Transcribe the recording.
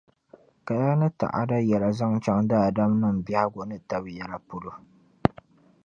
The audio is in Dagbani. kaya ni ta'ada yɛla zaŋ chaŋ daadamnim’ biɛhigu ni tab’ yɛla polo.